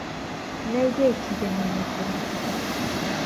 لای دایکی دەمێنێتەوە.